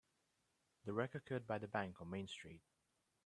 The wreck occurred by the bank on Main Street.